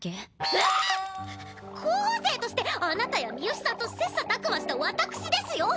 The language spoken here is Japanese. ええっ⁉候補生としてあなたや三好さんと切磋琢磨した私ですよ！